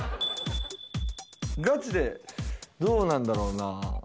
ガチでどうなんだろうな